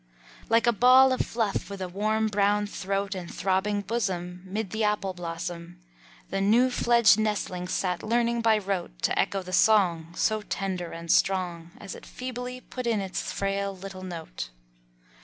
Like a ball of fluff, with a warm brown throat And throbbing bosom, 'Mid the apple blossom, The new fledged nestling sat learning by rote To echo the song So tender and strong, As it feebly put in its frail little note.